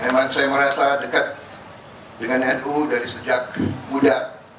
memang saya merasa dekat dengan nu dari sejak muda